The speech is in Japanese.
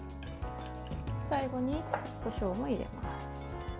最後に、こしょうも入れます。